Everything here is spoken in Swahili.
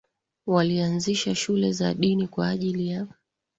walianzisha shule za dini kwa ajili ya